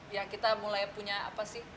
ya kita mulai punya apa sih